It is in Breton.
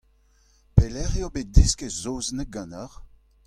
Pelec'h eo bet desket saozneg ganeoc'h ?